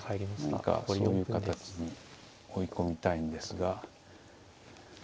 何かそういう形に追い込みたいんですが。